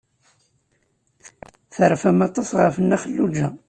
Terfam aṭas ɣef Nna Xelluǧa.